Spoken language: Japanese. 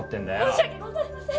申し訳ございません！